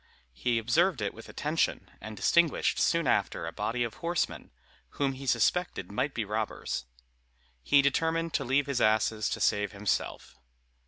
He observed it with attention, and distinguished soon after a body of horsemen, whom he suspected might be robbers. He determined to leave his asses to save himself.